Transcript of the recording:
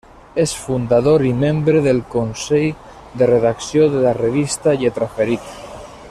És fundador i membre del consell de redacció de la Revista Lletraferit.